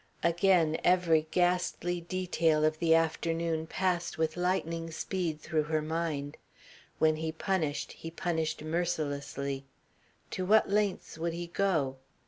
Again every ghastly detail of the afternoon passed with lightning speed through her mind. When he punished he punished mercilessly. To what lengths would he go?